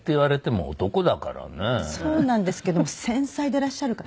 そうなんですけども繊細でいらっしゃるから。